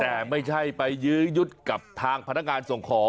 แต่ไม่ใช่ไปยื้อยุดกับทางพนักงานส่งของ